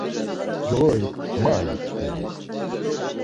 Coğorik, mai? ya.